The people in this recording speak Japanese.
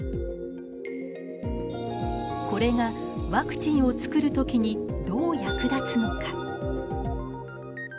これがワクチンを作る時にどう役立つのか。